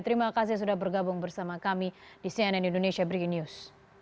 terima kasih sudah bergabung bersama kami di cnn indonesia breaking news